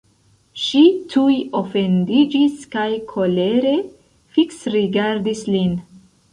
Ŝi tuj ofendiĝis kaj kolere fiksrigardis lin.